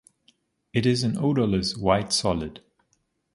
It is an odorless, white solid.